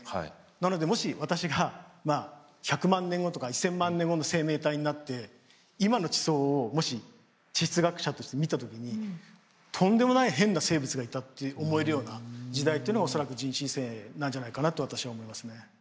なのでもし私がまあ１００万年後とか１，０００万年後の生命体になって今の地層をもし地質学者として見た時にとんでもない変な生物がいたって思えるような時代っていうのが恐らく人新世なんじゃないかなと私は思いますね。